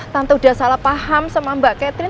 tante udah salah paham sama mbak catherine